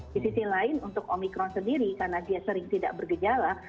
di sisi lain untuk omikron sendiri karena dia sering tidak bergejala